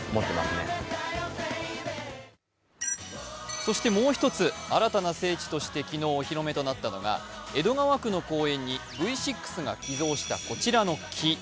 そしてもう一つ、新たな聖地として昨日お披露めとなったのが江戸川区の公園にＶ６が寄贈したこちらの木。